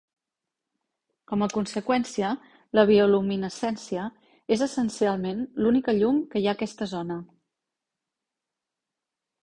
Com a conseqüència, la bioluminescència és essencialment l'única llum que hi ha a aquesta zona.